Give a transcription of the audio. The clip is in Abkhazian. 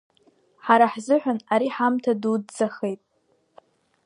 Ҳара ҳзыҳәан ари ҳамҭа дуӡӡахеит.